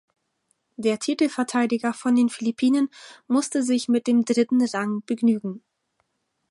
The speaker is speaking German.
Der Titelverteidiger von den Philippinen musste sich mit dem dritten Rang begnügen.